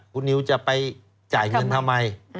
คุณนิวจะไปจ่ายเงินทำไม